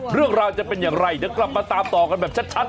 เรื่องราวจะเป็นอย่างไรเดี๋ยวกลับมาตามต่อกันแบบชัด